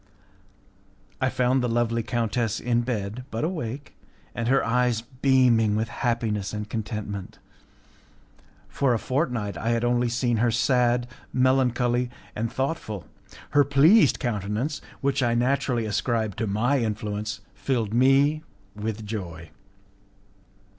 I found the lovely countess in bed, but awake, and her eyes beaming with happiness and contentment. For a fortnight I had only seen her sad, melancholy, and thoughtful. Her pleased countenance, which I naturally ascribed to my influence, filled me with joy.